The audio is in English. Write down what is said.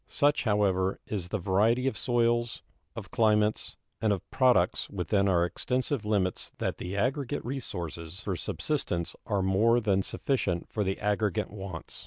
Such, however, is the variety of soils, of climates, and of products within our extensive limits that the aggregate resources for subsistence are more than sufficient for the aggregate wants.